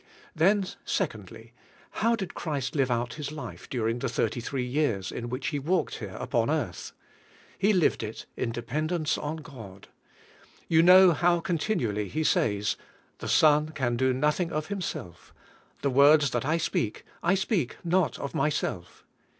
Then, secondly, how did Christ live out His life during the thirty three years in which He walked here upon earth ? He lived it in dependence on God. You know how continuall}^ He says: "The Son can do nothing of Himself. The words that I speak, I speak not of Myself."